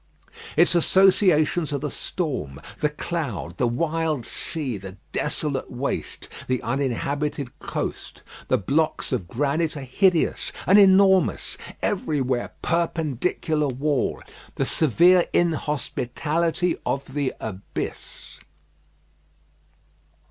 Its associations are the storm, the cloud, the wild sea, the desolate waste, the uninhabited coast. The blocks of granite are hideous and enormous everywhere perpendicular wall the severe inhospitality of the abyss.